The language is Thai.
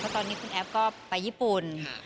ตอนนี้คุณแอฟก็ไปญี่ปุ่น